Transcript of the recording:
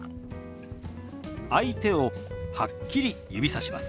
相手をはっきり指さします。